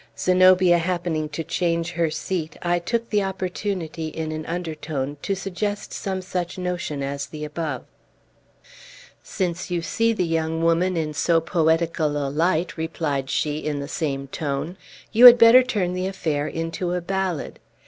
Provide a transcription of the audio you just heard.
Zenobia happening to change her seat, I took the opportunity, in an undertone, to suggest some such notion as the above. "Since you see the young woman in so poetical a light," replied she in the same tone, "you had better turn the affair into a ballad.